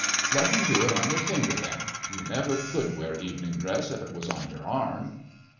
"Let him do it on your finger, then. You never could wear evening dress if it was on your arm."